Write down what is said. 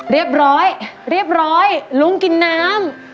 เรียบร้อยเรียบร้อยลุ้งกินน้ำ